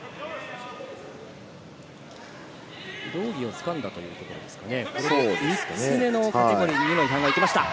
胴着をつかんだということですかね。